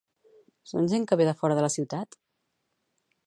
Són gent que ve de fora de la ciutat?